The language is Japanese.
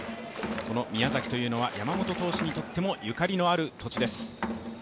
宮崎というのは山本投手にとってもゆかりのある土地です。